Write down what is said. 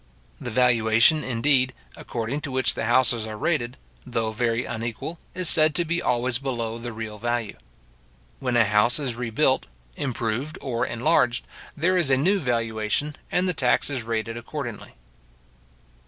The valuation, indeed, according to which the houses are rated, though very unequal, is said to be always below the real value. When a house is rebuilt, improved, or enlarged, there is a new valuation, and the tax is rated accordingly.